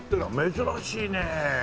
珍しいね！